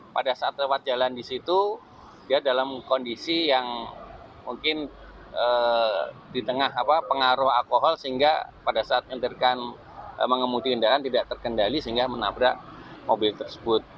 pada saat lewat jalan di situ dia dalam kondisi yang mungkin di tengah pengaruh alkohol sehingga pada saat menenterkan mengemudi kendaraan tidak terkendali sehingga menabrak mobil tersebut